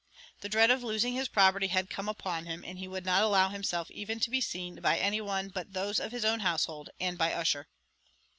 The dread of losing his property had come upon him, and he would not allow himself even to be seen by any one but those of his own household, and by Ussher.